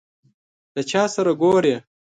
له چا سره ګورې ؟